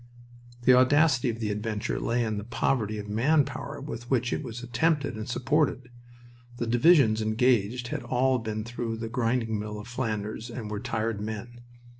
The audacity of the adventure lay in the poverty of manpower with which it was attempted and supported. The divisions engaged had all been through the grinding mill of Flanders and were tired men.